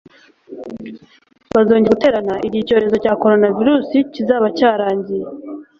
bazongera guterana igihe icyorezo cya coronavirus kizaba cyarangiye